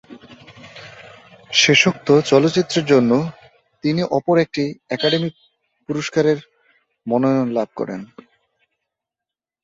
শেষোক্ত চলচ্চিত্রের জন্য তিনি অপর একটি একাডেমি পুরস্কারের মনোনয়ন লাভ করেন।